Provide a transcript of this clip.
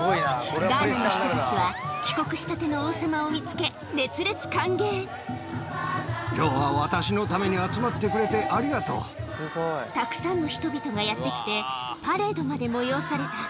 ・ガーナの人たちは帰国したての王様を見つけ熱烈歓迎たくさんの人々がやって来てパレードまで催された